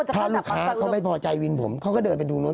ถ้าลูกค้าเขาไม่พอใจวินผมเขาก็เดินไปตรงนู้น